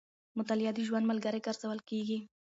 مطالعه د ژوند ملګری ګرځول کېږي.